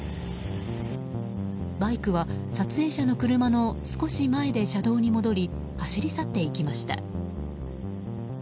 バイクは撮影者の車の少し前で車道に戻り走り去っていきました。